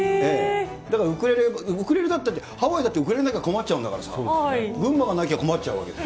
だからウクレレ、ウクレレだって、ハワイだって、ウクレレなかったら困っちゃうんだからさ、群馬がなきゃ困っちゃうわけです。